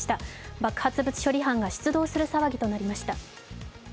爆発物処理班が出動する騒ぎとなりました。